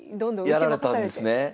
やられたんですね。